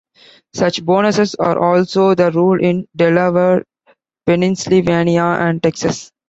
Such bonuses are also the rule in Delaware, Pennsylvania, and Texas.